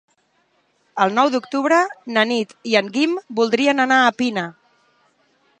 El nou d'octubre na Nit i en Guim voldrien anar a Pina.